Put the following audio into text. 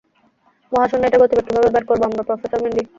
মহাশূন্যে এটার গতিবেগ কীভাবে বের করব আমরা, প্রফেসর মিন্ডি?